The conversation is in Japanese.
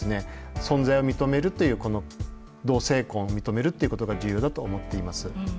存在を認めるというこの同性婚を認めるっていうことが重要だと思っています。